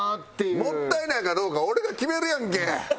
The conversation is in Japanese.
もったいないかどうかは俺が決めるやんけ！